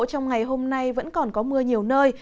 trong ngày hôm nay vẫn còn có mưa nhiều nơi